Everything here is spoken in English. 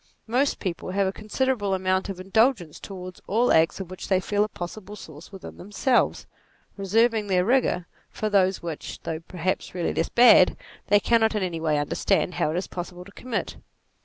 Most people have a considerable amount of indulgence towards all acts of which they feel a possible source within them selves, reserving their rigour for those which, though perhaps really less bad, they cannot in any way under stand how it is possible to commit.